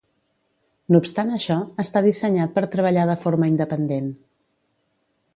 No obstant això, està dissenyat per treballar de forma independent.